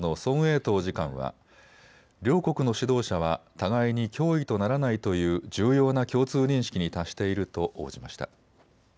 東次官は両国の指導者は互いに脅威とならないという重要な共通認識に達していると応じました。